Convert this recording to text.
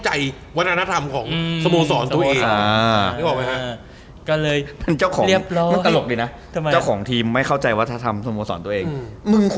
จริงถ้ามันยังประสาทนทีมที่ไม่เข้าใจวัฒนธรรมของสะโมสรตัวเอง